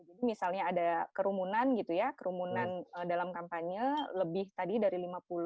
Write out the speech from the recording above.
jadi misalnya ada kerumunan gitu ya kerumunan dalam kampanye lebih tadi dari lima puluh